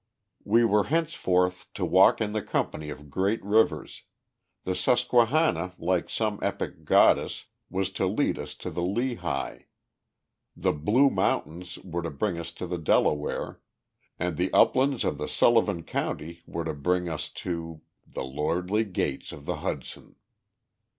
We were henceforth to walk in the company of great rivers: the Susquehanna, like some epic goddess, was to lead us to the Lehigh; the Blue Mountains were to bring us to the Delaware; and the uplands of Sullivan County were to bring us to the lordly gates of the Hudson.